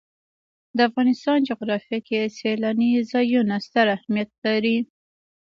د افغانستان جغرافیه کې سیلانی ځایونه ستر اهمیت لري.